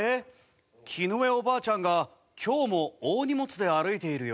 絹江お婆ちゃんが今日も大荷物で歩いているよ。